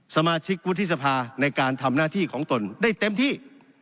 สมาชิกวุฒิสภาในการทำหน้าที่ของตนได้เต็มที่